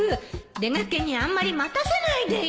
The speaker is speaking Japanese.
出がけにあんまり待たせないでよ！